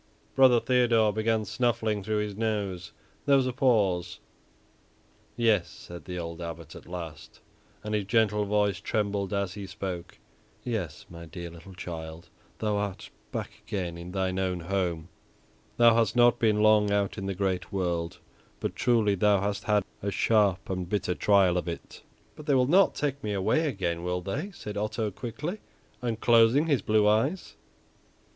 Brother Theodore began snuffling through his nose; there was a pause. "Yes," said the old Abbot at last, and his gentle voice trembled as he spoke; "yes, my dear little child, thou art back again in thine own home; thou hast not been long out in the great world, but truly thou hast had a sharp and bitter trial of it." "But they will not take me away again, will they?" said Otto quickly, unclosing his blue eyes.